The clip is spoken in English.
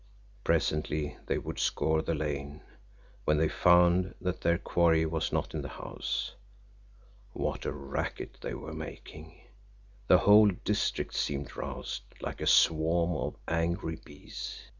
Presently they would scour the lane when they found that their quarry was not in the house. What a racket they were making! The whole district seemed roused like a swarm of angry bees.